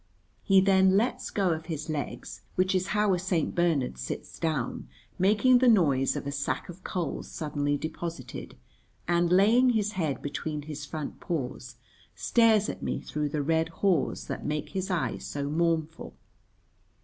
He then lets go of his legs, which is how a St. Bernard sits down, making the noise of a sack of coals suddenly deposited, and, laying his head between his front paws, stares at me through the red haws that make his eyes so mournful.